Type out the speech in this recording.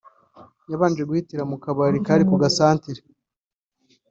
yabanje guhitira mu kabari kari mu gasantere